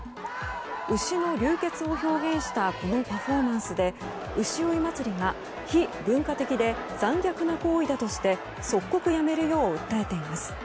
牛の流血を表現したこのパフォーマンスで牛追い祭りが非文化的で残虐な行為だとして即刻やめるよう訴えています。